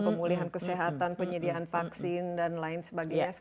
pemulihan kesehatan penyediaan vaksin dan lain sebagainya